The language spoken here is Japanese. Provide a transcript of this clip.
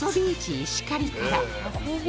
石狩から